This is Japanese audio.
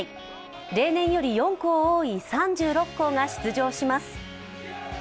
例年より４校多い３６校が出場します。